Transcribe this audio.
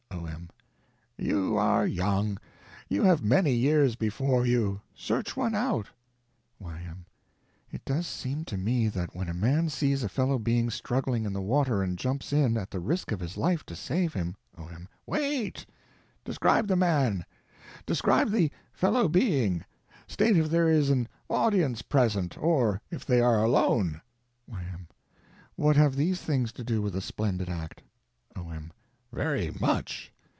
O.M. You are young. You have many years before you. Search one out. Y.M. It does seem to me that when a man sees a fellow being struggling in the water and jumps in at the risk of his life to save him— O.M. Wait. Describe the man. Describe the fellow being. State if there is an audience present; or if they are alone. Y.M. What have these things to do with the splendid act? O.M. Very much.